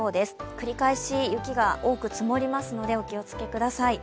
繰り返し雪が多く積もりますのでお気をつけください。